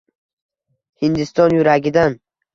Hindiston yuragidan